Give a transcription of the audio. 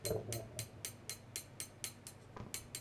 আর দোকানে কিছু টাকা বৃহস্পতিবার পর্যন্ত অগ্রিম দিয়ে দিলাম কেনার জন্য।